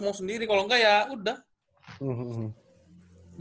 mau sendiri kalau enggak ya udah